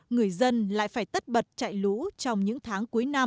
người dân lại phải tất bật chạy lũ trong những tháng cuối năm